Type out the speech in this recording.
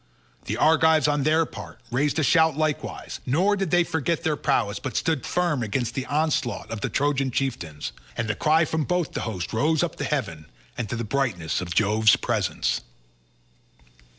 The Argives on their part raised a shout likewise, nor did they forget their prowess, but stood firm against the onslaught of the Trojan chieftains, and the cry from both the hosts rose up to heaven and to the brightness of Jove's presence.